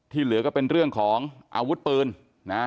เหลือก็เป็นเรื่องของอาวุธปืนนะ